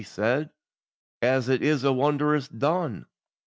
he said, "As it is wondrous dun?